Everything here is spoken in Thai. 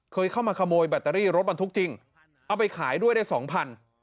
เคยเข้ามาขโมยแบตเตอรี่รถบรรทุกจริงเอาไปขายด้วยได้สองพัน